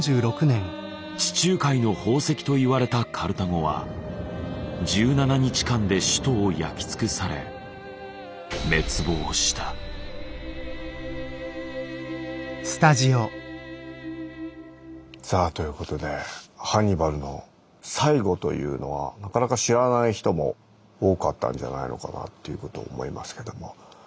「地中海の宝石」と言われたカルタゴは１７日間で首都を焼き尽くされさあということでハンニバルの最後というのはなかなか知らない人も多かったんじゃないのかなっていうことを思いますけども。